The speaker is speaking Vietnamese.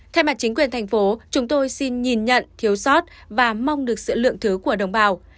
thay mặt chính quyền thành phố chúng tôi xin nhìn nhận thiếu sót và mong được sự lượng thứ của đồng bào